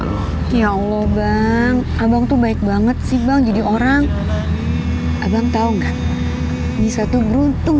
ya allah bang abang tuh baik banget sih bang jadi orang abang tahu kan bisa tuh beruntung